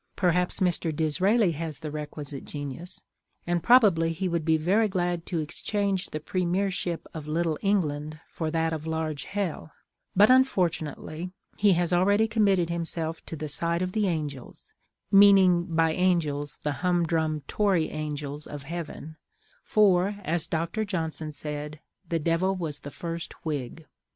Perhaps Mr. Disraeli has the requisite genius, and probably he would be very glad to exchange the Premiership of little England for that of large hell: but unfortunately he has already committed himself to the side of the angels, meaning by angels the humdrum Tory angels of heaven—for, as Dr. Johnson said, the Devil was the first Whig.